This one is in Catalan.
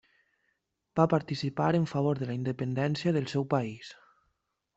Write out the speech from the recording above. Va participar en favor de la independència del seu país.